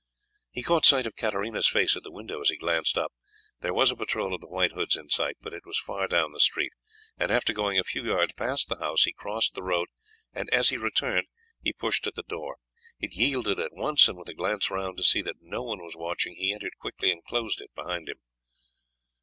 He caught sight of Katarina's face at the window as he glanced up. There was a patrol of the White Hoods in sight, but it was far down the street, and after going a few yards past the house he crossed the road, and as he returned he pushed at the door. It yielded at once, and with a glance round to see that no one was watching he entered quickly and closed it behind him.